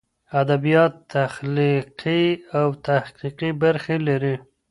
ادبیات تخلیقي او تحقیقي برخې لري.